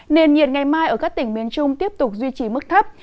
nền nhiệt ngày mai ở các tỉnh miền trung tiếp tục duy trì mức thấp